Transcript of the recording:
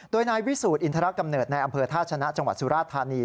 โดยนายวิสูจนอินทรกำเนิดในอำเภอท่าชนะจังหวัดสุราธานี